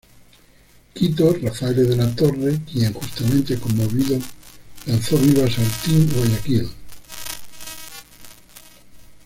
Quito, Rafael de la Torre, quien, justamente conmovido, lanzó vivas al Team Guayaquil.